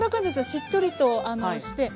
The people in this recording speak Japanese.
しっとりとして。